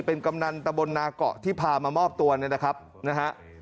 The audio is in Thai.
เป็นกำนันตะบนนาเกาะที่พามามอบตัวเนี่ยนะครับนะฮะ